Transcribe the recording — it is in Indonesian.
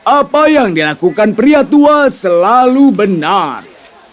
apa yang dilakukan pria tua selalu benar